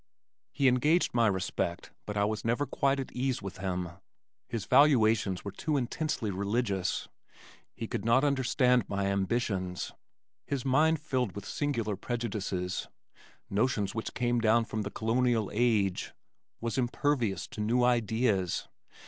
He engaged my respect but I was never quite at ease with him. His valuations were too intensely religious; he could not understand my ambitions. His mind filled with singular prejudices, notions which came down from the Colonial age, was impervious to new ideas.